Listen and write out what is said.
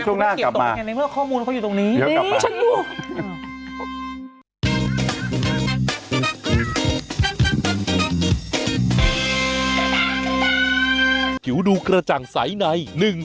เขามีข้อมูลเขาอยู่ตรงนี้